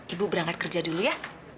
ibu berangkat kerja dulu ya